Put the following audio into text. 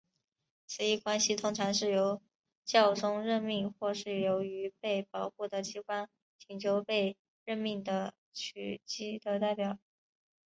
此一关系通常是由教宗任命或是由于被保护的机关请求被任命的枢机的代表。